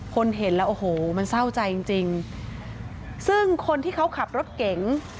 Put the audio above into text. เห็นแล้วโอ้โหมันเศร้าใจจริงจริงซึ่งคนที่เขาขับรถเก๋ง